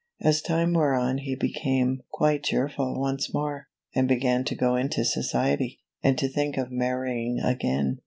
As time wore on he became quite cheerful once more, and began to go into society, and to think of marrying again.